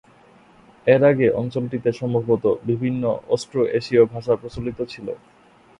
এর আগে অঞ্চলটিতে সম্ভবত বিভিন্ন অস্ট্রো-এশীয় ভাষা প্রচলিত ছিল।